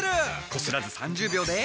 こすらず３０秒で。